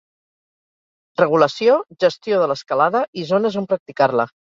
Regulació, gestió de l'escalada i zones on practicar-la.